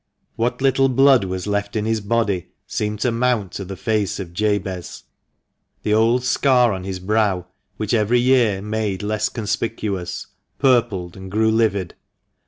" What little blood was left in his body seemed to mount to the face of Jabez, the old scar on his brow — which every year made less conspicuous — purpled and grew livid.